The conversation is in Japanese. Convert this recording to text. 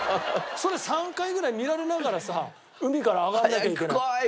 それ３回ぐらい見られながらさ海から上がんなきゃいけない。